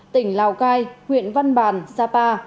tỉnh lào cai huyện văn bàn sa pa